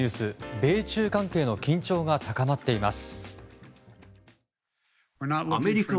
米中関係の緊張が高まっています。